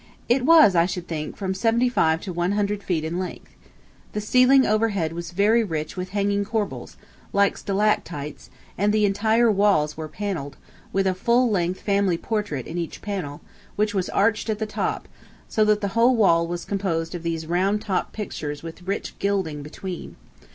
It was, I should think, from seventy five to one hundred feet in length. The ceiling overhead was very rich with hanging corbels, like stalactites, and the entire walls were panelled, with a full length family portrait in each panel, which was arched at the top, so that the whole wall was composed of these round topped pictures with rich gilding between.